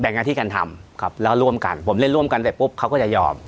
แต่งหน้าที่การทำครับแล้วร่วมกันผมเล่นร่วมกันเสร็จปุ๊บเขาก็จะยอม